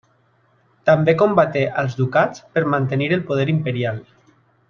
També combaté als ducats per mantenir el poder imperial.